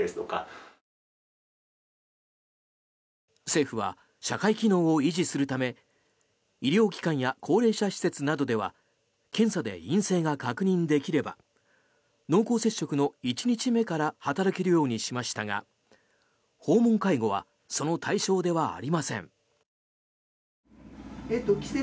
政府は社会機能を維持するため医療機関や高齢者施設などでは検査で陰性が確認できれば濃厚接触の１日目から働けるようにしましたが訪問介護はその対象ではありません。